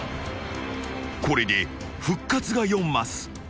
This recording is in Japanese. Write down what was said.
［これで復活が４ます］